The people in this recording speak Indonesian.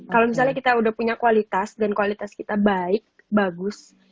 kalau misalnya kita udah punya kualitas dan kualitas kita baik bagus